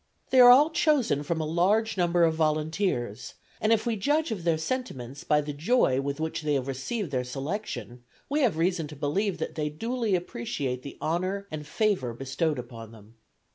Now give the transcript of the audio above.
They are all chosen from a large number of volunteers; and if we judge of their sentiments by the joy with which they have received their selection, we have reason to believe that they duly appreciate the honor and favor bestowed upon them.